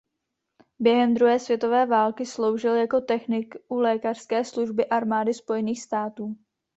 Během druhé světové války sloužil jako technik u lékařské služby Armády Spojených států.